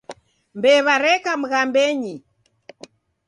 Mbew'a reka mghambenyi.